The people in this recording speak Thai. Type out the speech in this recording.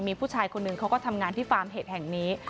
มีผู้ชายคนหนึ่งเขาก็ทำงานที่ฟาร์มเห็ดแห่งนี้